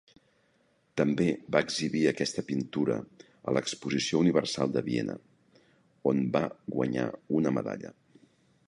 També va exhibir aquesta pintura a l'Exposició Universal de Viena, on va guanyar una medalla.